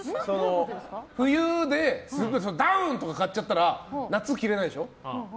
冬で、それこそダウンとか買っちゃったら夏、着れないでしょ。